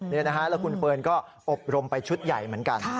นี่นะฮะแล้วคุณเฟิร์นก็อบรมไปชุดใหญ่เหมือนกัน